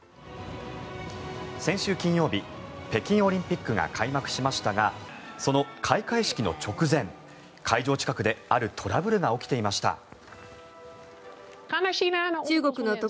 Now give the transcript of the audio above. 先週金曜日、北京オリンピックが開幕しましたがその開会式の直前、会場近くであるトラブルが起きていました。